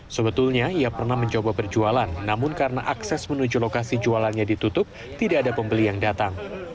sebetulnya ia pernah mencoba berjualan namun karena akses menuju lokasi jualannya ditutup tidak ada pembeli yang datang